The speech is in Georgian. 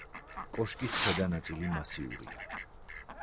კოშკის ქვედა ნაწილი მასიურია.